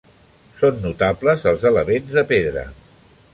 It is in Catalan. Són notables els elements de pedra.